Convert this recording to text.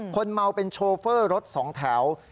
คนเมาเป็นโชเฟอร์รถสองแถว